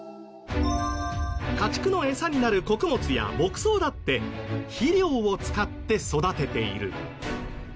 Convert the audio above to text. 家畜のエサになる穀物や牧草だって肥料を使って育てている。